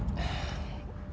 nanti hasan telat